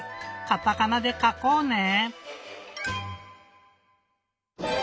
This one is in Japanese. カタカナでかこうね！